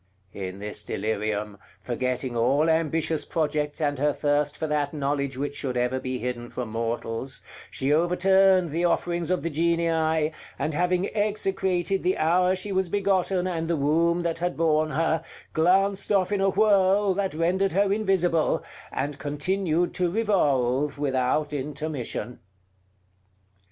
In this delirium, forgetting all ambitious projects and her thirst for that knowledge which should ever be hidden from mortals, she overturned the offerings of the Genii, and having execrated the hour she was begotten and the womb that had borne her, glanced off in a whirl that rendered her invisible, and continued to revolve without intermission.